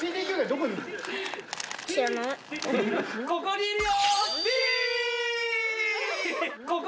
ここにいるよ！